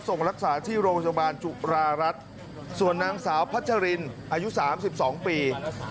ส่งรักษาที่โรงพยาบาลจุรารัฐส่วนนางสาวพัชรินอายุ๓๒ปี